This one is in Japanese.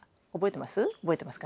覚えてます？